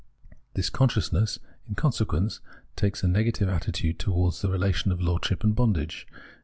This consciousness in consequence takes a negative attitude towards the relation of lord ship and bondage.